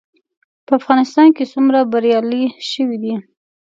په افغانستان کې څومره بریالي شوي دي؟